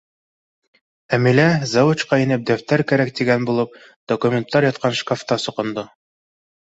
Әмилә, завучҡа инеп, дәфтәр кәрәк тигән булып, документтар ятҡан шкафта соҡондо.